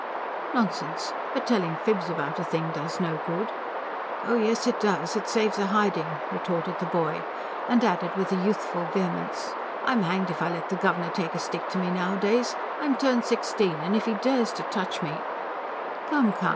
"Nonsense. But telling fibs about a thing does no good." "Oh yes, it does; it saves a hiding," retorted the boy. And added with a youthful vehemence: "I'm hanged if I let the governor take a stick to me nowadays! I'm turned sixteen; and if he dares to touch me " "Come, come.